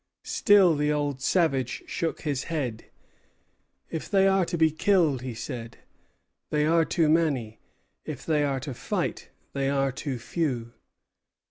Still the old savage shook his head. "If they are to be killed," he said, "they are too many; if they are to fight, they are too few."